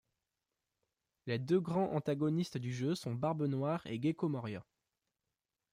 Les deux grands antagonistes du jeu sont Barbe Noire et Gecko Moria.